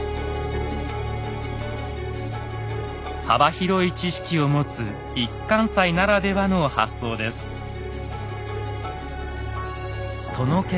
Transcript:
幅広い知識を持つ一貫斎ならではの発想です。